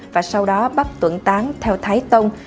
và sau đó bắt tuẩn tán theo thái tông